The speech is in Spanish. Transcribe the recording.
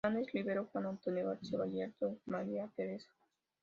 Fernández Rivero, Juan Antonio; García Ballesteros, María Teresa.